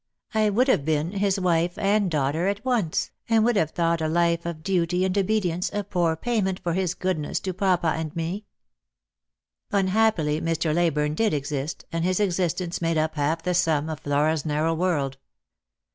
" I would have been his wife and daughter at once, and would have thought a life of duty and obedience a poor payment for his goodness to papa and me." Unhappily Mr. Leyburne did exist, and his existence made up half the sum of Flora's narrow world.